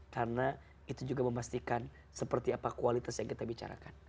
karena itu juga memastikan seperti apa kualitas yang kita bicarakan